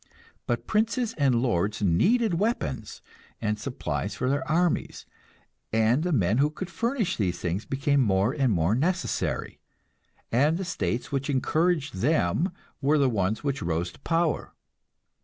But princes and lords needed weapons and supplies for their armies, and the men who could furnish these things became more and more necessary, and the states which encouraged them were the ones which rose to power.